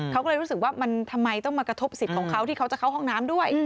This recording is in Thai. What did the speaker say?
เขาก็เลยรู้สึกว่ามันทำไมต้องมากระทบสิทธิ์ของเขาที่เขาจะเข้าห้องน้ำด้วย